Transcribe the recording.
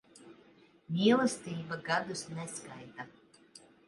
Mīlestība gadus neskaita.